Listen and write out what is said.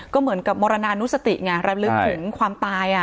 ก็เหมือนกับมรณานุสติไงรำลึกถึงความตาย